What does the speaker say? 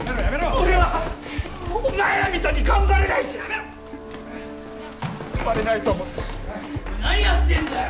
俺はお前らみたいに頑張れないしバレないと思ったし・何やってんだよ